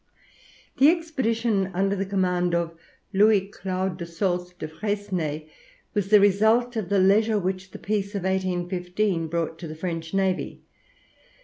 The expedition under the command of Louis Claude de Saulces de Freycinet was the result of the leisure which the Peace of 1815 brought to the French navy.